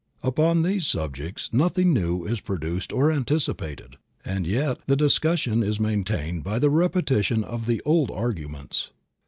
Upon these subjects nothing new is produced or anticipated, and yet the discussion is maintained by the repetition of the old arguments.